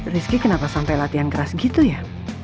rizky kenapa sampai latihan keras gitu ya